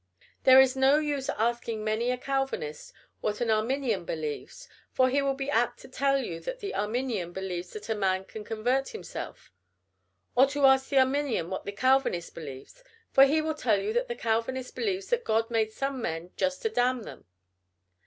There is no use in asking many a Calvinist what an Arminian believes, for he will be apt to tell you that the Arminian believes that a man can convert himself; or to ask the Arminian what the Calvinist believes, for he will tell you that the Calvinist believes that God made some men just to damn them.